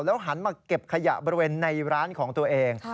หันมาเก็บขยะบริเวณในร้านของตัวเอง